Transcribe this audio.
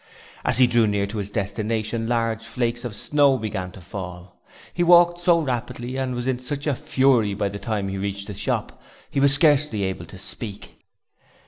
As he drew near to his destination large flakes of snow began to fall. He walked so rapidly and was in such a fury that by the time he reached the shop he was scarcely able to speak.